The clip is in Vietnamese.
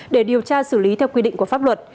để điều tra xử lý theo quy định của pháp luật